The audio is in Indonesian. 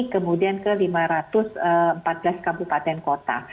kemudian ke lima ratus empat belas kabupaten kota